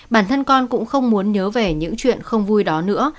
bản thân con cũng không muốn nhớ về những chuyện không vui đó nữa